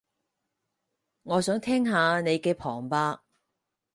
我想聽下你嘅旁白